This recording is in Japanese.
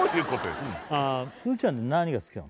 すずちゃん何が好きなの？